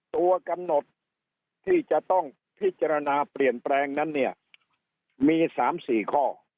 ตัวกำหนดที่จะต้องพิจารณาเปลี่ยนแปลงนั้นเนี่ยมี๓๔ข้อ